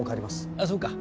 あそうか。